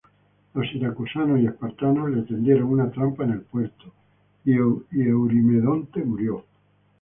Los siracusanos y espartanos les tendieron una trampa en el puerto y Eurimedonte murió.